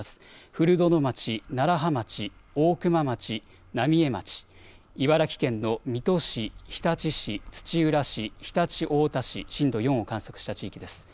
古殿町、楢葉町、大熊町、浪江町、茨城県の水戸市、日立市、土浦市常陸太田市、震度４を観測した地域です。